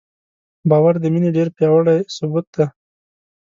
باور د مینې ډېر پیاوړی ثبوت دی.